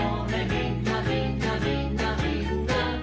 みんなみんなみんなみんな」